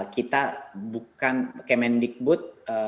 kita bukan kemendikbud